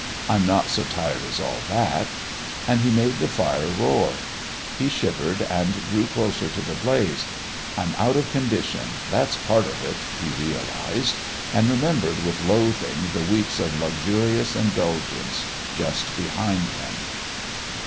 "I'm not so tired as all that!" And he made the fire roar. He shivered and drew closer to the blaze. "I'm out of condition; that's part of it," he realised, and remembered with loathing the weeks of luxurious indulgence just behind him.